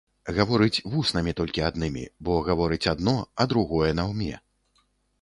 Гаворыць вуснамі толькі аднымі, бо гаворыць адно, а другое наўме.